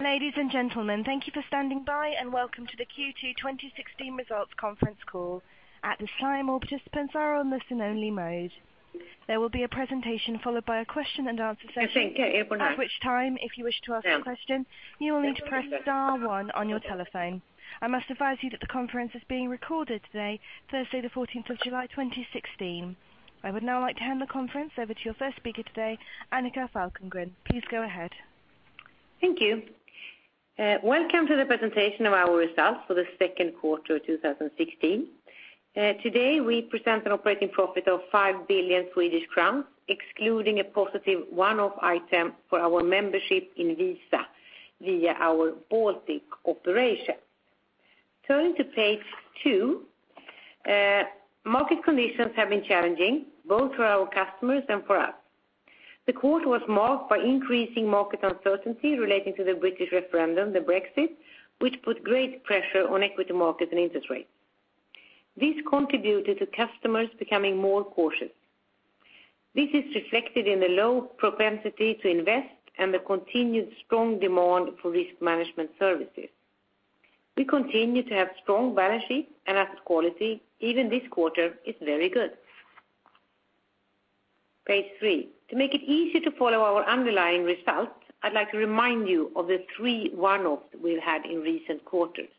Ladies and gentlemen, thank you for standing by, and welcome to the Q2 2016 Results Conference Call. At this time, all participants are on listen-only mode. There will be a presentation followed by a question and answer session. At which time, if you wish to ask a question, you will need to press star one on your telephone. I must advise you that the conference is being recorded today, Thursday the 14th of July 2016. I would now like to hand the conference over to your first speaker today, Annika Falkengren. Please go ahead. Thank you. Welcome to the presentation of our results for the second quarter of 2016. Today we present an operating profit of 5 billion Swedish crowns, excluding a positive one-off item for our membership in Visa via our Baltic operation. Turning to page two, market conditions have been challenging both for our customers and for us. The quarter was marked by increasing market uncertainty relating to the British referendum, the Brexit, which put great pressure on equity markets and interest rates. This contributed to customers becoming more cautious. This is reflected in the low propensity to invest and the continued strong demand for risk management services. We continue to have strong balance sheet and asset quality, even this quarter is very good. Page three. To make it easy to follow our underlying results, I'd like to remind you of the three one-offs we've had in recent quarters.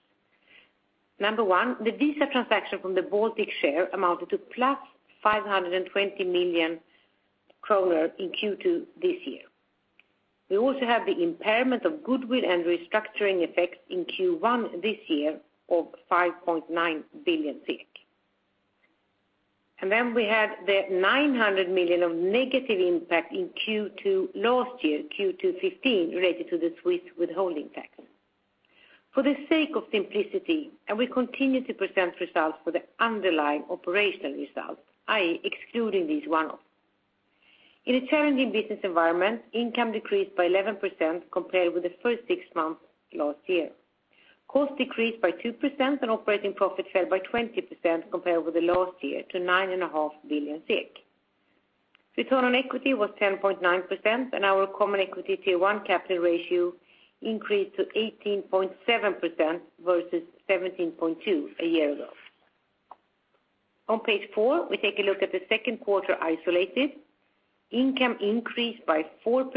Number 1, the Visa transaction from the Baltic share amounted to +520 million kronor in Q2 this year. We also have the impairment of goodwill and restructuring effects in Q1 this year of 5.9 billion. Then we had the 900 million of negative impact in Q2 last year, Q2 2015, related to the Swiss withholding tax. For the sake of simplicity, we continue to present results for the underlying operational results, i.e., excluding these one-offs. In a challenging business environment, income decreased by 11% compared with the first six months last year. Costs decreased by 2% and operating profit fell by 20% compared with last year to 9.5 billion. Return on equity was 10.9% and our Common Equity Tier 1 capital ratio increased to 18.7% versus 17.2% a year ago. On page four, we take a look at the second quarter isolated. Income increased by 4%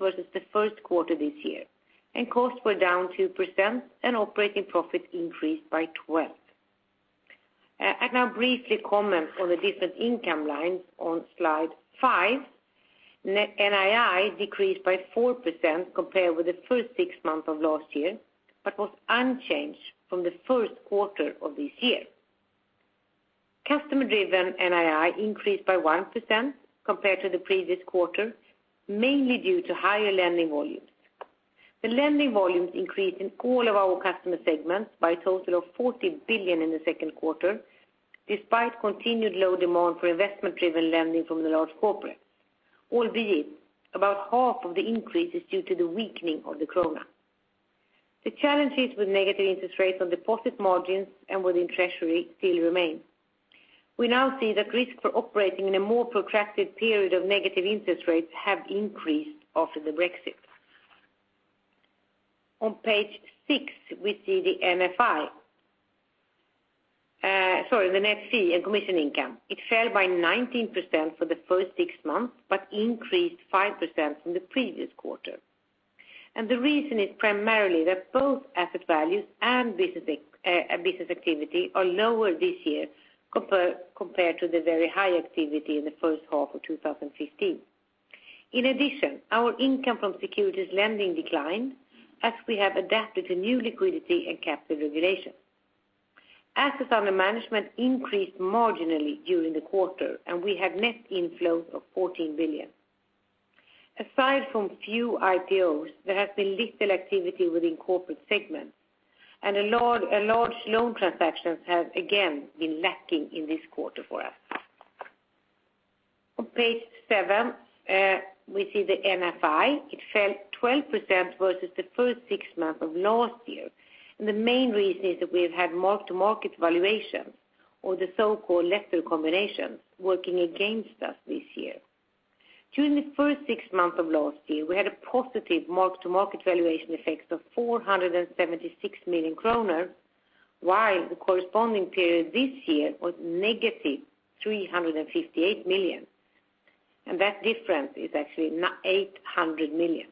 versus the first quarter this year, costs were down 2% and operating profit increased by 12%. I can now briefly comment on the different income lines on slide five. NII decreased by 4% compared with the first six months of last year, but was unchanged from the first quarter of this year. Customer-driven NII increased by 1% compared to the previous quarter, mainly due to higher lending volumes. The lending volumes increased in all of our customer segments by a total of 40 billion in the second quarter, despite continued low demand for investment-driven lending from the large corporates. Albeit, about half of the increase is due to the weakening of the krona. The challenges with negative interest rates on deposit margins and within treasury still remain. We now see that risk for operating in a more protracted period of negative interest rates have increased after Brexit. On page six, we see the NFC. Sorry, the Net Fee and Commission Income. It fell by 19% for the first six months, but increased 5% from the previous quarter. The reason is primarily that both asset values and business activity are lower this year compared to the very high activity in the first half of 2015. In addition, our income from securities lending declined as we have adapted to new liquidity and capital regulations. Assets under management increased marginally during the quarter, and we had net inflows of 14 billion. Aside from few IPOs, there has been little activity within corporate segments, and large loan transactions have again been lacking in this quarter for us. On page seven, we see the NFI. It fell 12% versus the first six months of last year. The main reason is that we've had mark-to-market valuations, or the so-called leveraged positions, working against us this year. During the first six months of last year, we had a positive mark-to-market valuation effects of 476 million kronor, while the corresponding period this year was negative 358 million. That difference is actually 800 million.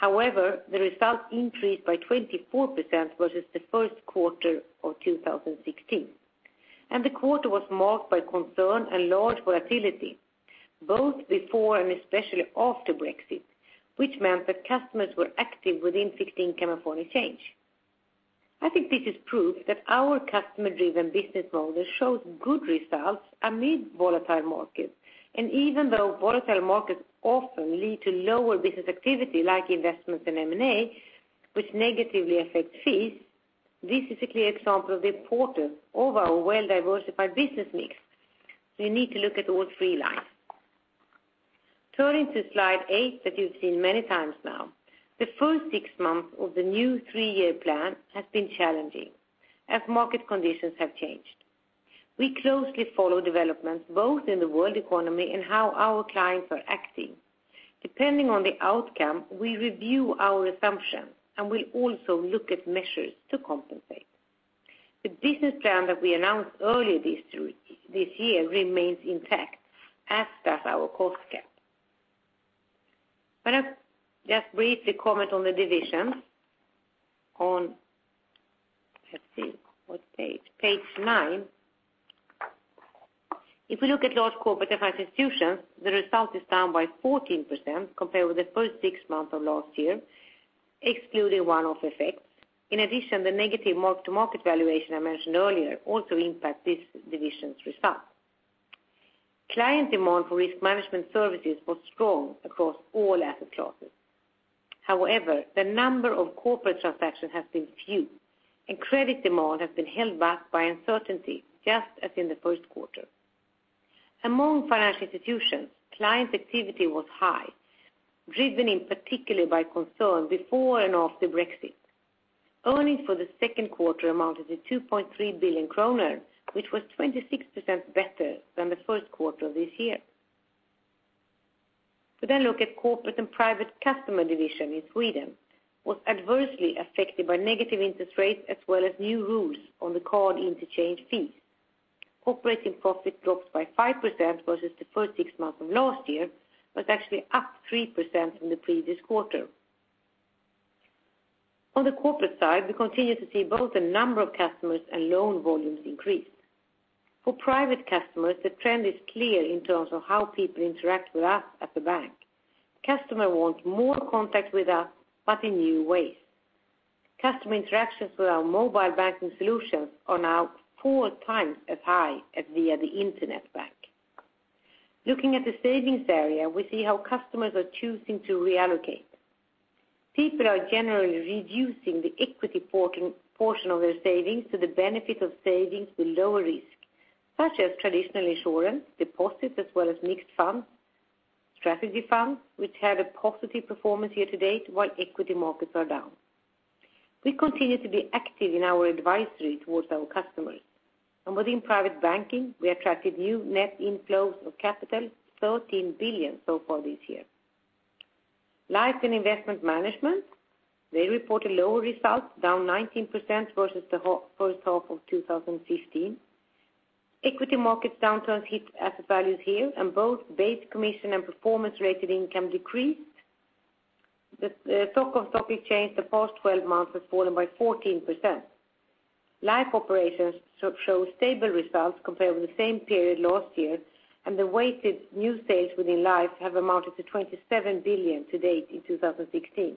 However, the result increased by 24% versus the first quarter of 2016. The quarter was marked by concern and large volatility, both before and especially after Brexit, which meant that customers were active within seeking hedging for a change. I think this is proof that our customer-driven business model shows good results amid volatile markets. Even though volatile markets often lead to lower business activity like investments in M&A, which negatively affect fees, this is a clear example of the importance of our well-diversified business mix. You need to look at all three lines. Turning to slide eight that you've seen many times now. The first six months of the new three-year plan has been challenging as market conditions have changed. We closely follow developments both in the world economy and how our clients are acting. Depending on the outcome, we review our assumptions, and we also look at measures to compensate. The business plan that we announced earlier this year remains intact, as does our cost cap. I'll just briefly comment on the divisions on, let's see, what page? Page nine. If we look at Large Corporates & Financial Institutions, the result is down by 14% compared with the first six months of last year, excluding one-off effects. In addition, the negative mark-to-market valuation I mentioned earlier also impact this division's result. Client demand for risk management services was strong across all asset classes. However, the number of corporate transactions has been few, and credit demand has been held back by uncertainty, just as in the first quarter. Among financial institutions, client activity was high, driven in particular by concern before and after Brexit. Earnings for the second quarter amounted to 2.3 billion kronor, which was 26% better than the first quarter of this year. If we look at Corporate & Private Customers division in Sweden, was adversely affected by negative interest rates as well as new rules on the card interchange fees. Operating profit dropped by 5% versus the first six months of last year, but actually up 3% from the previous quarter. On the corporate side, we continue to see both the number of customers and loan volumes increase. For private customers, the trend is clear in terms of how people interact with us at the bank. Customer wants more contact with us, but in new ways. Customer interactions with our mobile banking solutions are now four times as high as via the internet bank. Looking at the savings area, we see how customers are choosing to reallocate. People are generally reducing the equity portion of their savings to the benefit of savings with lower risk, such as traditional insurance, deposits as well as mixed funds, strategy funds, which had a positive performance year to date while equity markets are down. We continue to be active in our advisory towards our customers. Within private banking, we attracted new net inflows of capital 13 billion so far this year. Life and Asset Management, they report a lower result, down 19% versus the first half of 2015. Equity markets downturns hit asset values here, and both base commission and performance-related income decreased. The stock of AUM changed the past 12 months has fallen by 14%. Life operations show stable results compared with the same period last year, and the weighted new sales within Life have amounted to 27 billion to date in 2016.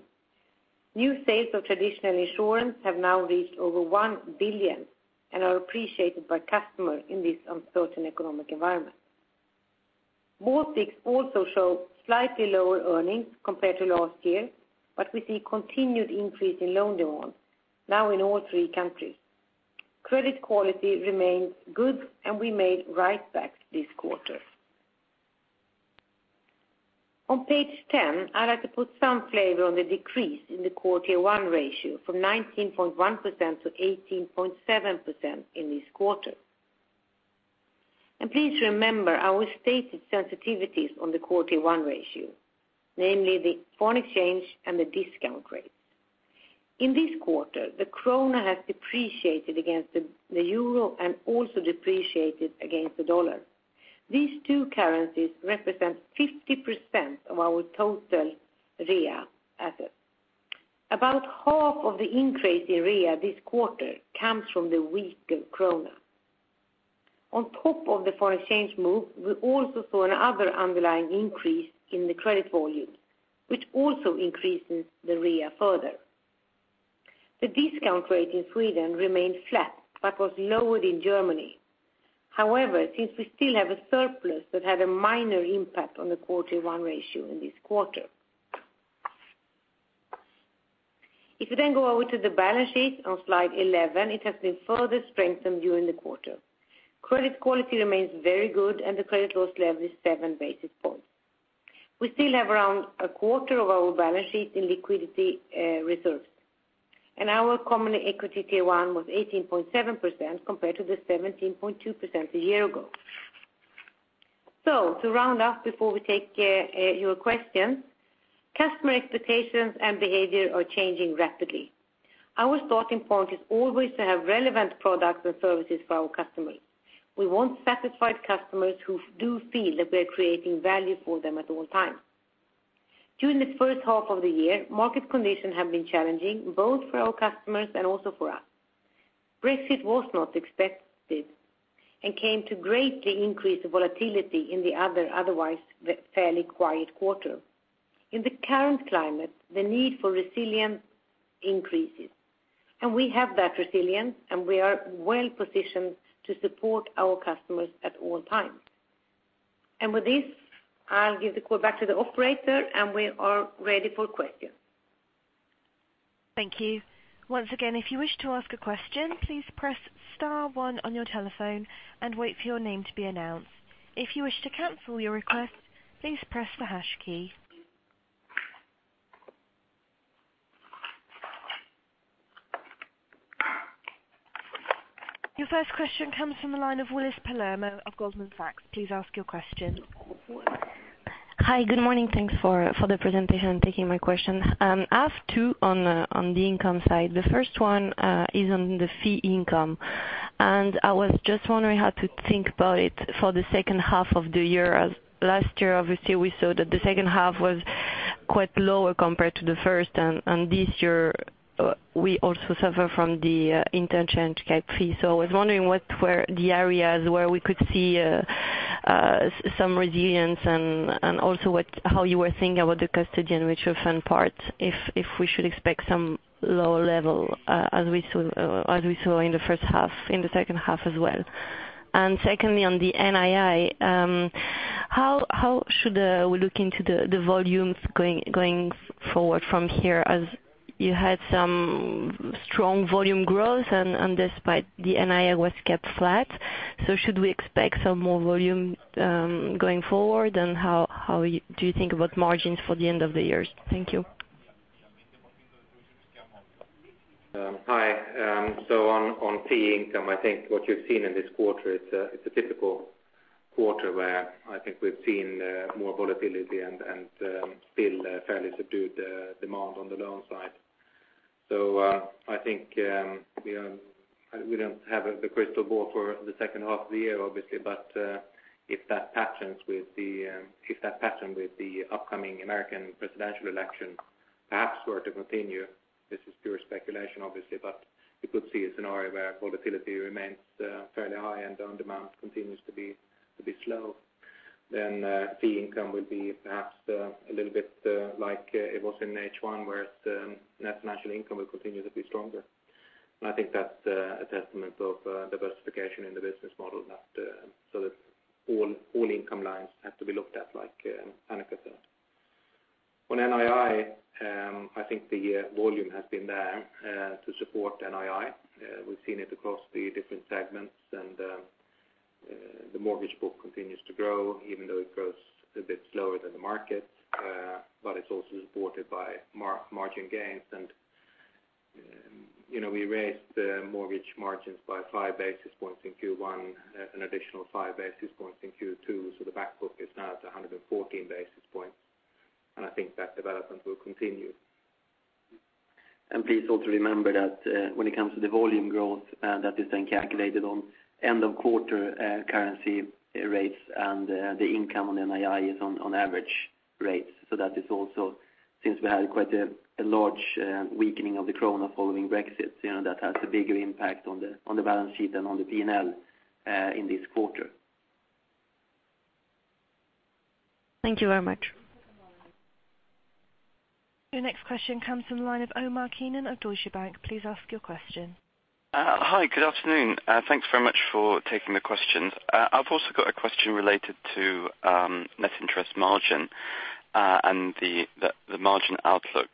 New sales of traditional insurance have now reached over 1 billion and are appreciated by customers in this uncertain economic environment. Baltics also show slightly lower earnings compared to last year, but we see continued increase in loan demand now in all three countries. Credit quality remains good, and we made write-backs this quarter. On page 10, I'd like to put some flavor on the decrease in the Core Tier 1 ratio from 19.1% to 18.7% in this quarter. Please remember our stated sensitivities on the Core Tier 1 ratio, namely the foreign exchange and the discount rates. In this quarter, the krona has depreciated against the euro and also depreciated against the dollar. These two currencies represent 50% of our total RWA assets. About half of the increase in RWA this quarter comes from the weaker krona. On top of the foreign exchange move, we also saw another underlying increase in the credit volumes, which also increases the RWA further. The discount rate in Sweden remained flat but was lowered in Germany. However, since we still have a surplus that had a minor impact on the Core Tier 1 ratio in this quarter. If you then go over to the balance sheet on slide 11, it has been further strengthened during the quarter. Credit quality remains very good, and the credit loss level is seven basis points. We still have around a quarter of our balance sheet in liquidity reserves, and our Common Equity Tier 1 was 18.7% compared to the 17.2% a year ago. To round up before we take your questions, customer expectations and behavior are changing rapidly. Our starting point is always to have relevant products and services for our customers. We want satisfied customers who do feel that we are creating value for them at all times. During the first half of the year, market conditions have been challenging both for our customers and also for us. Brexit was not expected and came to greatly increase the volatility in the otherwise fairly quiet quarter. In the current climate, the need for resilience increases, and we have that resilience, and we are well-positioned to support our customers at all times. With this, I'll give the call back to the operator, and we are ready for questions. Thank you. Once again, if you wish to ask a question, please press star 1 on your telephone and wait for your name to be announced. If you wish to cancel your request, please press the hash key. Your first question comes from the line of Willis Palermo of Goldman Sachs. Please ask your question. Hi. Good morning. Thanks for the presentation and taking my question. I have two on the income side. The first one is on the fee income. I was just wondering how to think about it for the second half of the year, as last year, obviously, we saw that the second half was quite lower compared to the first. This year, we also suffer from the interchange cap fee. I was wondering what were the areas where we could see some resilience and also how you were thinking about the custody and wealth fund parts, if we should expect some lower level as we saw in the first half, in the second half as well. Secondly, on the NII, how should we look into the volumes going forward from here as you had some strong volume growth and despite the NII was kept flat. Should we expect some more volume going forward and how do you think about margins for the end of the year? Thank you. On fee income, I think what you've seen in this quarter, it's a typical quarter where I think we've seen more volatility and still fairly subdued demand on the loan side. I think we don't have the crystal ball for the second half of the year, obviously. If that pattern with the upcoming American presidential election perhaps were to continue, this is pure speculation, obviously, but we could see a scenario where volatility remains fairly high and loan demand continues to be slow. Fee income will be perhaps a little bit like it was in H1 where the net financial income will continue to be stronger. I think that's a testament of diversification in the business model so that all income lines have to be looked at, like Annika said. On NII, I think the volume has been there to support NII. We've seen it across the different segments, the mortgage book continues to grow even though it grows a bit slower than the market, but it's also supported by margin gains. We raised the mortgage margins by five basis points in Q1, an additional five basis points in Q2, so the back book is now at 114 basis points, I think that development will continue. Please also remember that when it comes to the volume growth, that is calculated on end of quarter currency rates and the income on NII is on average rates. That is also since we had quite a large weakening of the krona following Brexit, that has a bigger impact on the balance sheet and on the P&L in this quarter. Thank you very much. Your next question comes from the line of Omar Keenan of Deutsche Bank. Please ask your question. Hi, good afternoon. Thanks very much for taking the questions. I've also got a question related to net interest margin and the margin outlook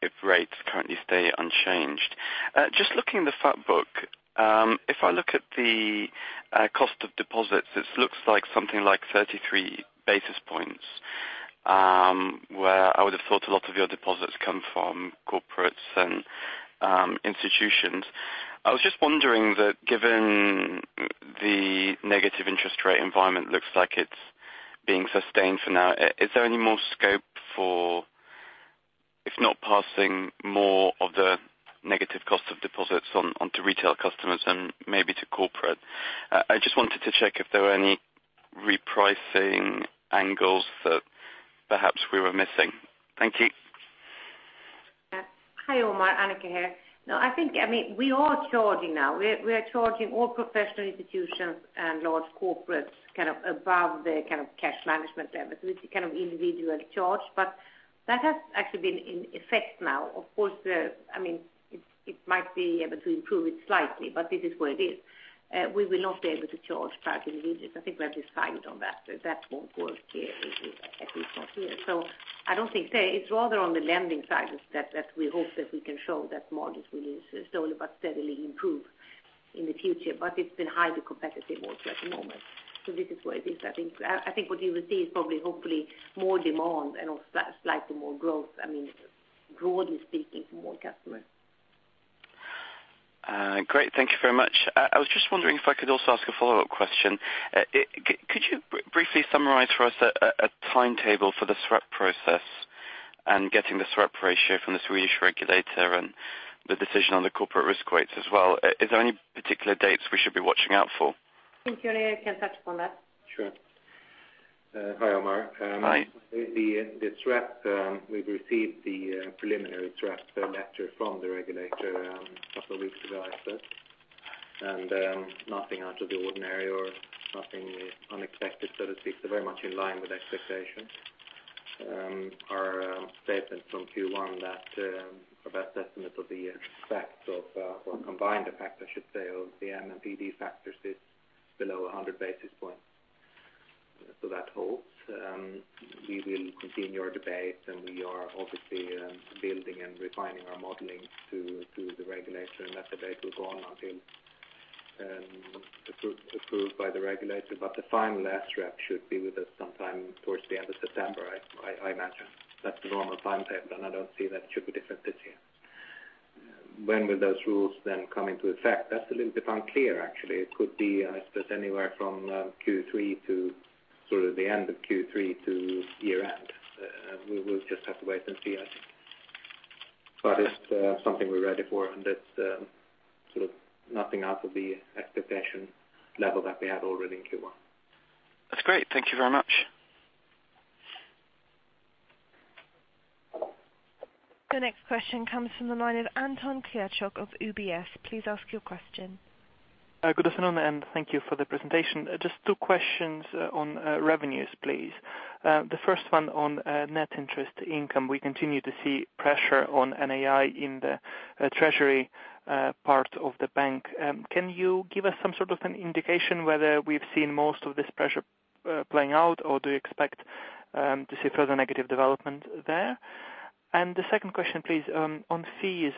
if rates currently stay unchanged. Just looking at the fact book, if I look at the cost of deposits, it looks like something like 33 basis points, where I would have thought a lot of your deposits come from corporates and institutions. I was just wondering that given the negative interest rate environment looks like it's being sustained for now, is there any more scope for, if not passing more of the negative cost of deposits onto retail customers and maybe to corporate? I just wanted to check if there were any repricing angles that perhaps we were missing. Thank you. Hi, Omar, Annika here. No, I think, we are charging now. We are charging all professional institutions and large corporates above the cash management level, so this is individual charge, but that has actually been in effect now. Of course, it might be able to improve it slightly, but this is where it is. We will not be able to charge private individuals. I think we have decided on that. That won't work here, at least not here. I don't think so. It's rather on the lending side that we hope that we can show that margins will slowly but steadily improve in the future, but it's been highly competitive also at the moment. This is where it is. I think what you will see is probably hopefully more demand and also slightly more growth, broadly speaking from all customers. Great. Thank you very much. I was just wondering if I could also ask a follow-up question. Could you briefly summarize for us a timetable for the SREP process and getting the SREP ratio from the Swedish regulator and the decision on the corporate risk weights as well? Is there any particular dates we should be watching out for? Jim, you can touch upon that. Sure. Hi, Omar. Hi. The SREP, we've received the preliminary SREP letter from the regulator a couple of weeks ago, I said, nothing out of the ordinary or nothing unexpected, so to speak. Very much in line with expectations. Our statement from Q1 that our best estimate of the effects of, or combined effect, I should say, of the LGD and PD factors is below 100 basis points. That holds. We will continue our debate, and we are obviously building and refining our modeling to the regulator, that debate will go on until approved by the regulator, the final SREP should be with us sometime towards the end of September, I imagine. That's the normal timetable, and I don't see that it should be different this year. When will those rules then come into effect? That's a little bit unclear, actually. It could be, I suppose, anywhere from Q3 to the end of Q3 to year end. We will just have to wait and see, I think. It's something we're ready for, and that's nothing out of the expectation level that we had already in Q1. That's great. Thank you very much. The next question comes from the line of Anton Klyuchnikov of UBS. Please ask your question. Good afternoon, thank you for the presentation. Just two questions on revenues, please. The first one on net interest income. We continue to see pressure on NII in the treasury part of the bank. Can you give us some sort of an indication whether we've seen most of this pressure playing out, or do you expect to see further negative development there? The second question, please, on fees.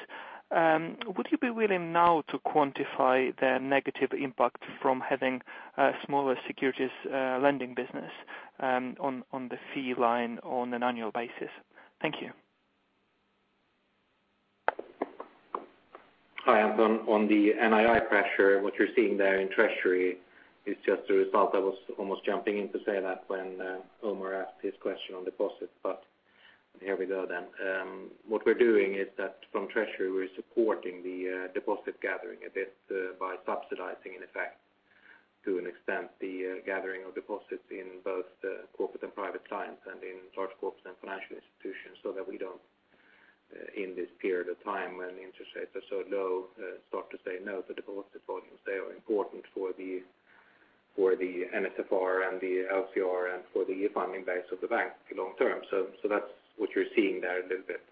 Would you be willing now to quantify the negative impact from having a smaller securities lending business on the fee line on an annual basis? Thank you. Hi, Anton. On the NII pressure, what you're seeing there in treasury is just a result. I was almost jumping in to say that when Omar asked his question on deposits, here we go then. What we're doing is that from treasury, we're supporting the deposit gathering a bit by subsidizing, in effect, to an extent, the gathering of deposits in both Corporate and Private Clients and in Large Corporates and Financial Institutions, so that we don't, in this period of time when interest rates are so low, start to say no to deposit volumes. They are important for the NSFR and the LCR and for the funding base of the bank long term. That's what you're seeing there a little bit.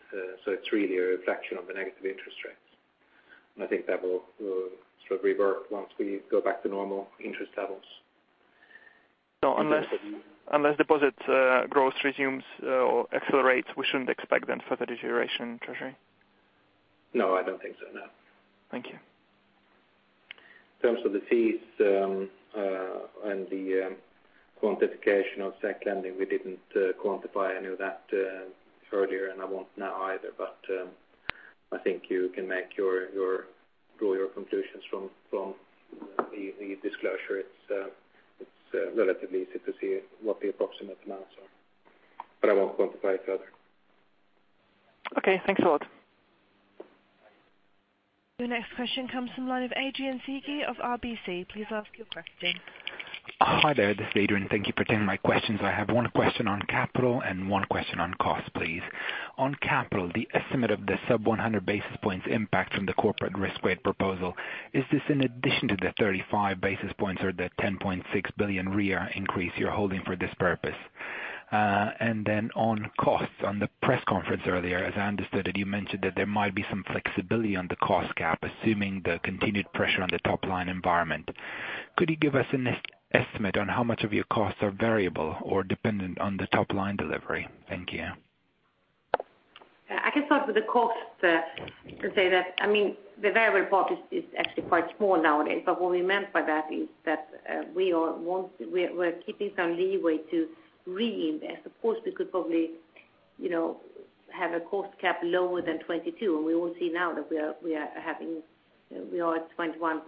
It's really a reflection of the negative interest rates. I think that will reverse once we go back to normal interest levels. Unless deposit growth resumes or accelerates, we shouldn't expect further deterioration in treasury? No, I don't think so, no. Thank you. In terms of the fees and the quantification of sec lending, we didn't quantify any of that earlier, and I won't now either. I think you can draw your conclusions from the disclosure. It's relatively easy to see what the approximate amounts are, I won't quantify it further. Okay, thanks a lot. Your next question comes from the line of Adrian Ciki of RBC. Please ask your question. Hi there. This is Adrian. Thank you for taking my questions. I have one question on capital and one question on cost, please. On capital, the estimate of the 100 basis points impact from the corporate risk weight proposal, is this in addition to the 35 basis points or the 10.6 billion increase you're holding for this purpose? On costs, on the press conference earlier, as I understood it, you mentioned that there might be some flexibility on the cost gap, assuming the continued pressure on the top-line environment. Could you give us an estimate on how much of your costs are variable or dependent on the top-line delivery? Thank you. I can start with the cost to say that the variable part is actually quite small nowadays. What we meant by that is that we're keeping some leeway to reinvest. Of course, we could probably have a cost cap lower than 22, and we all see now that we are at 21.5.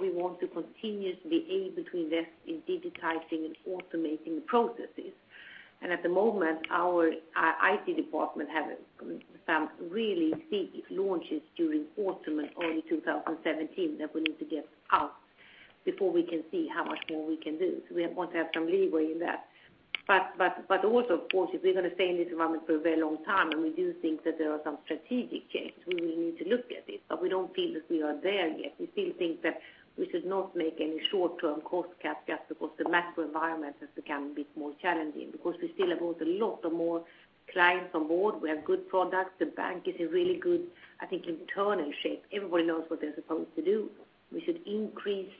We want to continuously aim between this in digitizing and automating the processes. At the moment, our IT department have some really big launches during autumn and early 2017 that we need to get out before we can see how much more we can do. We want to have some leeway in that. Also, of course, if we're going to stay in this environment for a very long time, and we do think that there are some strategic changes, we will need to look at it. We don't feel that we are there yet. We still think that we should not make any short-term cost cuts just because the macro environment has become a bit more challenging. We still have a lot of more clients on board. We have good products. The bank is in really good internal shape. Everybody knows what they're supposed to do. We should increase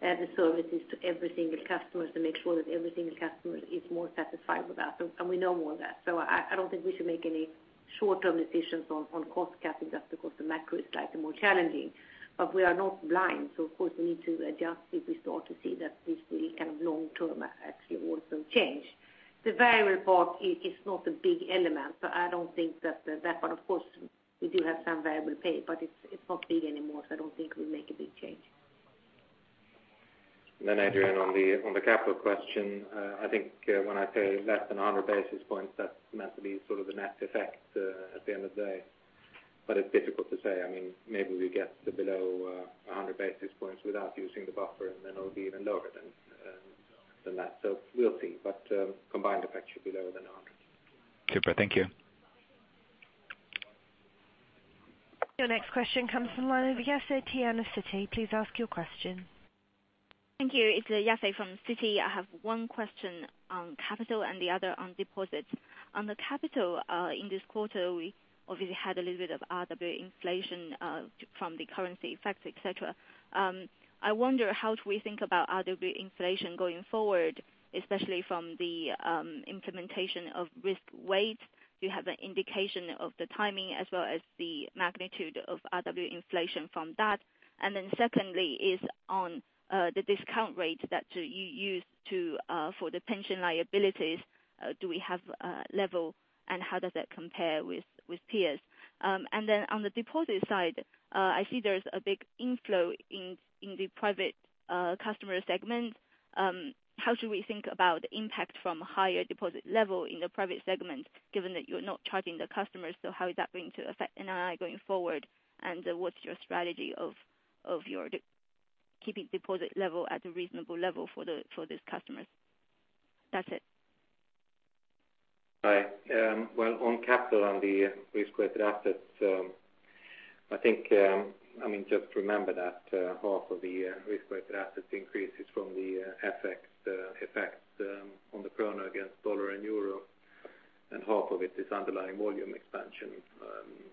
the services to every single customer to make sure that every single customer is more satisfied with us, and we know all that. I don't think we should make any short-term decisions on cost-cutting just because the macro is slightly more challenging. We are not blind, so of course, we need to adjust if we start to see that this will long-term actually also change. The variable part is not a big element, so I don't think that that one Of course, we do have some variable pay, but it's not big anymore, so I don't think it will make a big change. Then Adrian, on the capital question, I think when I pay less than 100 basis points, that's meant to be sort of the net effect at the end of the day. It's difficult to say. Maybe we get to below 100 basis points without using the buffer, and then it'll be even lower than that. We'll see, but combined effect should be lower than 100 basis points. Super. Thank you. Your next question comes from the line of Yafei Tian of Citi. Please ask your question. Thank you. It's Yafei from Citi. I have one question on capital and the other on deposits. On the capital, in this quarter, we obviously had a little bit of RWA inflation from the currency effects, et cetera. I wonder how do we think about RWA inflation going forward, especially from the implementation of risk weight. Do you have an indication of the timing as well as the magnitude of RWA inflation from that? Secondly is on the discount rate that you use for the pension liabilities, do we have a level and how does that compare with peers? On the deposit side, I see there's a big inflow in the private customer segment. How should we think about the impact from higher deposit level in the private segment, given that you're not charging the customers? How is that going to affect NII going forward, and what's your strategy of keeping deposit level at a reasonable level for these customers? That's it. Right. Well, on capital, on the risk-weighted assets, just remember that half of the risk-weighted assets increase is from the FX effects on the krona against dollar and euro, and half of it is underlying volume expansion.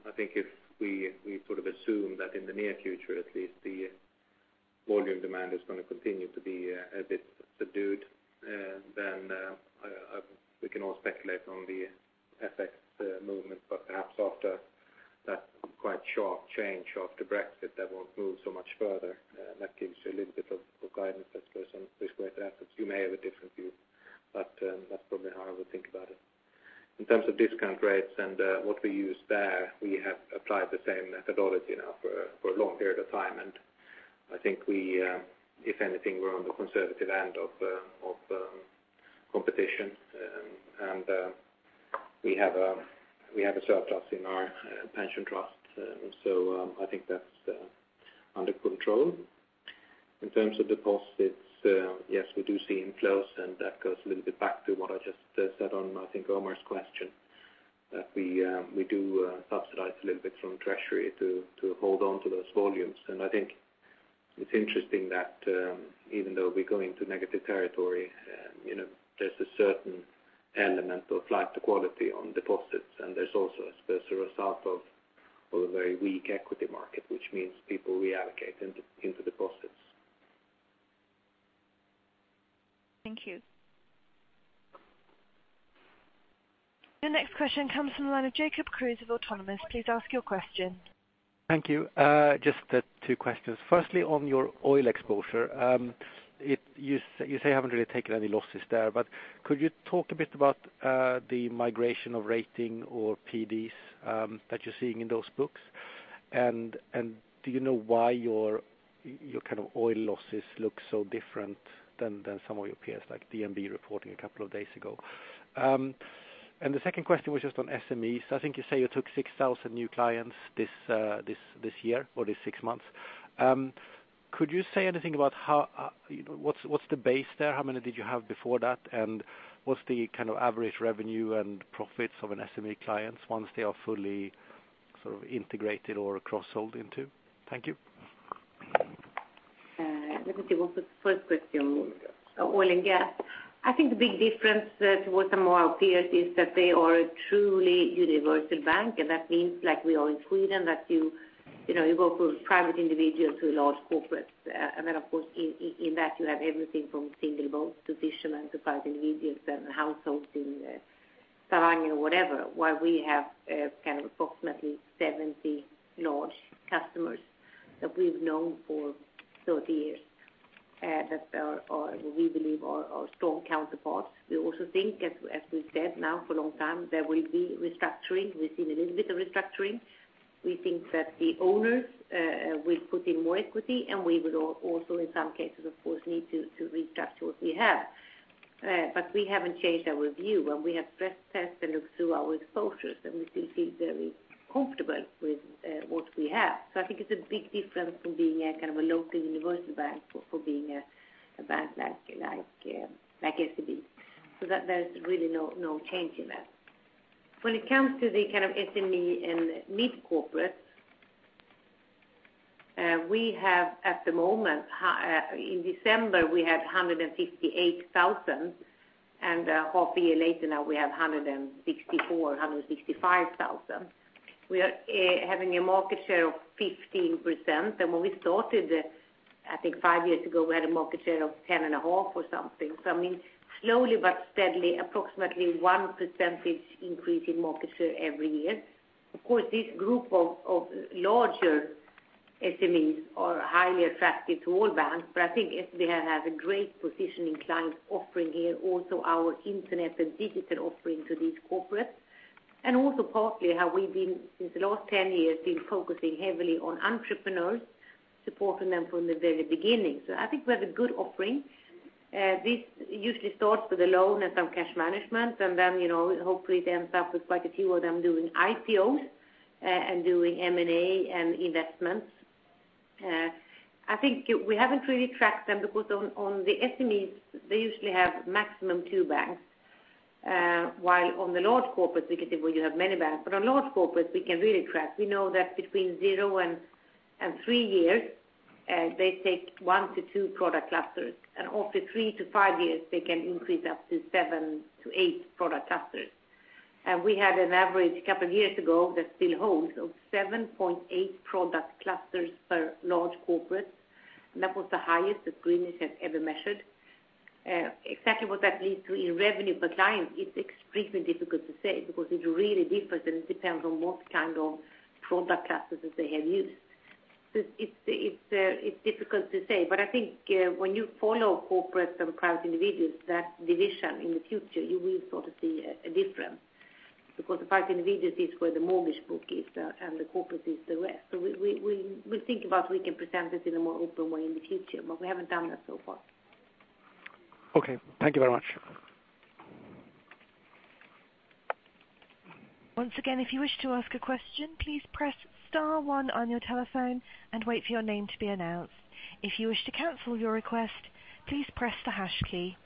I think if we assume that in the near future, at least the volume demand is going to continue to be a bit subdued, then we can all speculate on the FX movement. But perhaps after that quite sharp change after Brexit, that won't move so much further. That gives you a little bit of guidance, I suppose, on risk-weighted assets. You may have a different view, but that's probably how I would think about it. In terms of discount rates and what we use there, we have applied the same methodology now for a long period of time. I think if anything, we're on the conservative end of competition. We have a surplus in our pension trust. I think that's under control. In terms of deposits, yes, we do see inflows, and that goes a little bit back to what I just said on, I think, Omar's question. We do subsidize a little bit from treasury to hold on to those volumes. I think it's interesting that even though we're going to negative territory, there's a certain element of flight to quality on deposits, and there's also, I suppose, a result of a very weak equity market, which means people reallocate into deposits. Thank you. The next question comes from the line of Jacob Kruse of Autonomous. Please ask your question. Thank you. Just two questions. Firstly, on your oil exposure, you say you haven't really taken any losses there, but could you talk a bit about the migration of rating or PDs that you're seeing in those books? Do you know why your oil losses look so different than some of your peers, like DNB reporting a couple of days ago? The second question was just on SMEs. I think you say you took 6,000 new clients this year or this six months. Could you say anything about what's the base there? How many did you have before that, and what's the average revenue and profits of an SME client once they are fully integrated or cross-sold into? Thank you. Let me see. What was the first question? Oil and gas. I think the big difference with some of our peers is that they are a truly universal bank, and that means like we are in Sweden, that you work with private individuals who are large corporates. Then, of course, in that you have everything from single boats to fishermen to private individuals and households in Farange or whatever. While we have approximately 70 large customers that we've known for 30 years that we believe are strong counterparts. We also think, as we've said now for a long time, there will be restructuring. We've seen a little bit of restructuring. We think that the owners will put in more equity, and we will also, in some cases, of course, need to restructure what we have. We haven't changed our view, and we have stress tests and looked through our exposures, and we still feel very comfortable with what we have. I think it's a big difference from being a local universal bank for being a bank like SEB. There's really no change in that. When it comes to the SME and mid-corporate, we have at the moment, in December, we had 158,000, and half-year later now we have 164,000, 165,000. We are having a market share of 15%. When we started, I think five years ago, we had a market share of 10.5% or something. Slowly but steadily, approximately one percentage increase in market share every year. Of course, this group of larger SMEs are highly attractive to all banks, but I think SEB has a great positioning client offering here, also our internet and digital offering to these corporates. Also partly how we've been, since the last 10 years, been focusing heavily on entrepreneurs, supporting them from the very beginning. I think we have a good offering. This usually starts with a loan and some cash management, and then hopefully it ends up with quite a few of them doing IPOs and doing M&A and investments. I think we haven't really tracked them because on the SMEs, they usually have maximum two banks, while on the large corporates, we can see, well, you have many banks. On large corporates, we can really track. We know that between zero and three years, they take one to two product clusters, and after three to five years, they can increase up to seven to eight product clusters. We had an average a couple of years ago that still holds of 7.8 product clusters per large corporate, and that was the highest that Greenwich Associates has ever measured. Exactly what that leads to in revenue per client, it's extremely difficult to say because it really differs and depends on what kind of product clusters they have used. It's difficult to say, but I think when you follow Corporate and Private Individuals, that division in the future, you will sort of see a difference because Private Individuals is where the mortgage book is there, and the corporate is the rest. We'll think about we can present this in a more open way in the future, but we haven't done that so far. Okay. Thank you very much. Once again, if you wish to ask a question, please press star one on your telephone and wait for your name to be announced. If you wish to cancel your request, please press the hash key.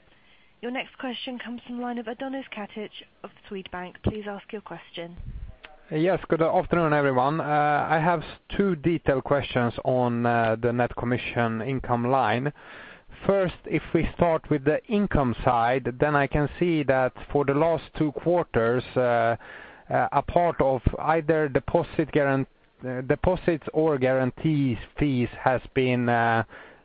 Your next question comes from the line of Adonis Katich of Swedbank. Please ask your question. Yes. Good afternoon, everyone. I have two detailed questions on the net commission income line. If we start with the income side, then I can see that for the last two quarters, a part of either deposits or guarantees fees has been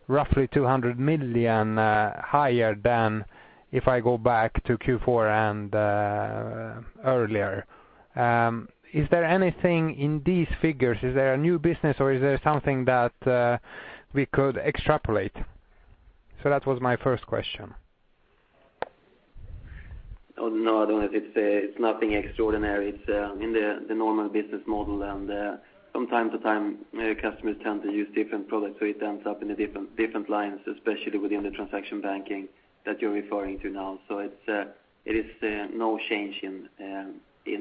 roughly 200 million higher than if I go back to Q4 and earlier. Is there anything in these figures? Is there a new business or is there something that we could extrapolate? That was my first question. No, Adonis, it's nothing extraordinary. It's in the normal business model and from time to time, customers tend to use different products, so it ends up in different lines, especially within the transaction banking that you're referring to now. It is no change in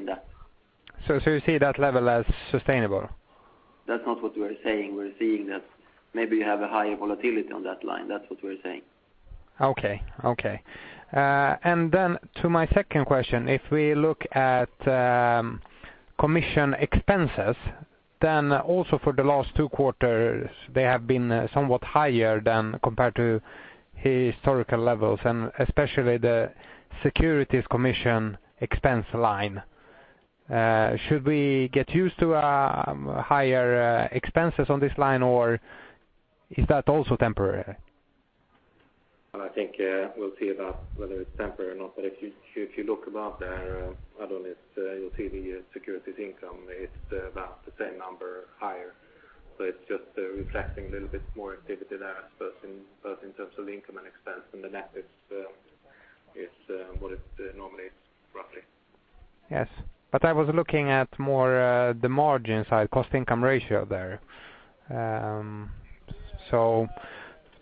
that. You see that level as sustainable? That's not what we're saying. We're seeing that maybe you have a higher volatility on that line. That's what we're saying. Okay. To my second question, if we look at commission expenses, then also for the last two quarters, they have been somewhat higher than compared to historical levels, and especially the securities commission expense line. Should we get used to higher expenses on this line, or is that also temporary? I think we'll see about whether it's temporary or not. If you look about there, Adonis, you'll see the securities income, it's about the same number higher. It's just reflecting a little bit more activity there, but in terms of the income and expense and the net is what it normally is, roughly. Yes. I was looking at more the margin side, cost income ratio there.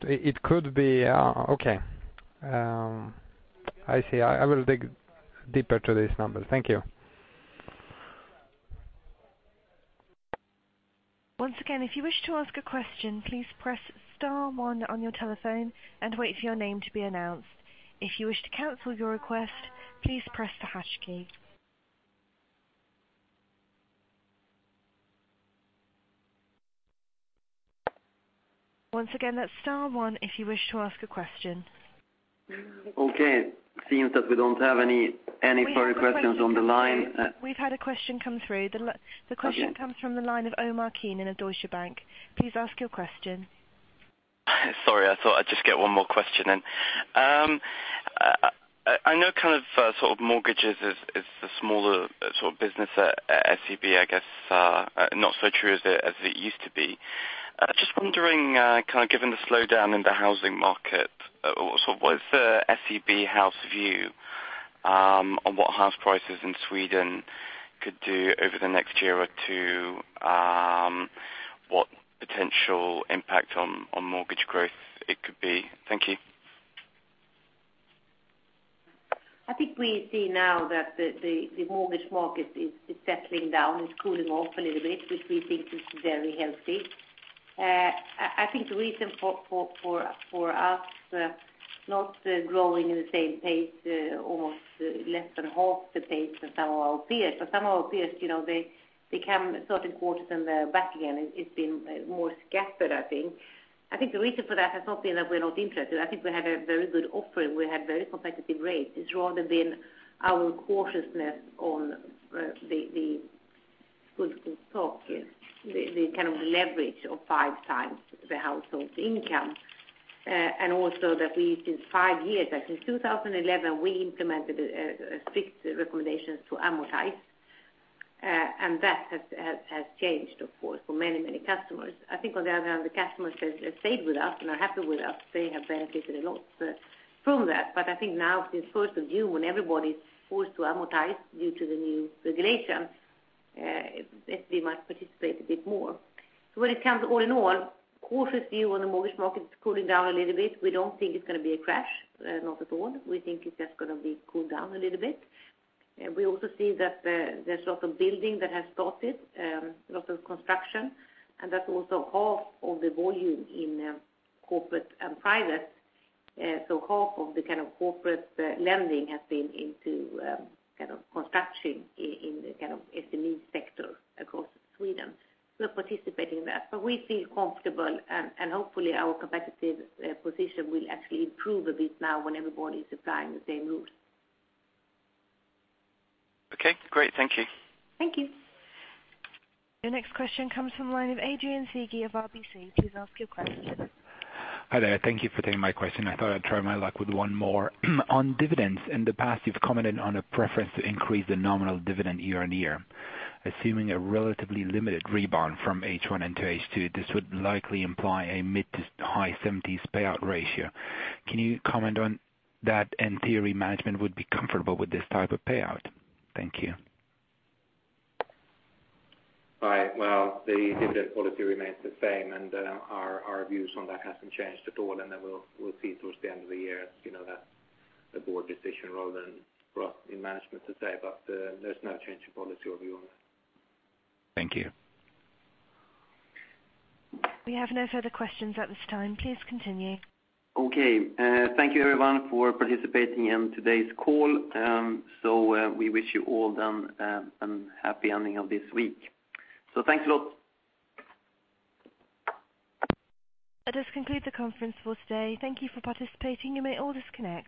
It could be Okay. I see. I will dig deeper to these numbers. Thank you. Once again, if you wish to ask a question, please press star one on your telephone and wait for your name to be announced. If you wish to cancel your request, please press the hash key. Once again, that's star one if you wish to ask a question. Okay. It seems that we don't have any further questions on the line. We've had a question come through. The question comes from the line of Omar Keenan in Deutsche Bank. Please ask your question. Sorry, I thought I'd just get one more question in. I know mortgages is the smaller business at SEB, I guess, not so true as it used to be. Just wondering, given the slowdown in the housing market, what is the SEB house view on what house prices in Sweden could do over the next year or two? What potential impact on mortgage growth it could be? Thank you. I think we see now that the mortgage market is settling down. It's cooling off a little bit, which we think is very healthy. I think the reason for us not growing in the same pace, almost less than half the pace of some of our peers. Some of our peers, they come certain quarters and they're back again. It's been more scattered, I think. I think the reason for that has not been that we're not interested. I think we have a very good offering. We have very competitive rates. It's rather been our cautiousness on the skuld och kapital, the leverage of five times the household income. Also that we, since five years back in 2011, we implemented strict recommendations to amortize, and that has changed, of course, for many customers. I think on the other hand, the customers have stayed with us and are happy with us. They have benefited a lot from that. I think now with first of June, when everybody's forced to amortize due to the new regulations, SEB might participate a bit more. When it comes all in all, cautious view on the mortgage market is cooling down a little bit. We don't think it's going to be a crash. Not at all. We think it's just going to be cooled down a little bit. We also see that there's lots of building that has started, lots of construction, and that's also half of the volume in corporate and private. So half of the corporate lending has been into construction in the SME sector across Sweden. We're participating in that. We feel comfortable, and hopefully our competitive position will actually improve a bit now when everybody's applying the same rules. Okay, great. Thank you. Thank you. Your next question comes from the line of Adrian Ciki of RBC. Please ask your question. Hi there. Thank you for taking my question. I thought I'd try my luck with one more. On dividends, in the past you've commented on a preference to increase the nominal dividend year-on-year. Assuming a relatively limited rebound from H1 into H2, this would likely imply a mid to high 70s payout ratio. Can you comment on that in theory management would be comfortable with this type of payout? Thank you. Hi. Well, the dividend policy remains the same, and our views on that hasn't changed at all. Then we'll see towards the end of the year. That's a board decision rather than for us in management to say, but there's no change in policy or view on that. Thank you. We have no further questions at this time. Please continue. Okay. Thank you everyone for participating in today's call. We wish you all a happy ending of this week. Thanks a lot. That does conclude the conference for today. Thank you for participating. You may all disconnect.